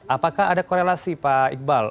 apakah ada korelasi pak iqbal